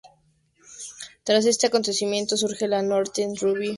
Tras este acontecimiento, surge la Northern Rugby Football Union.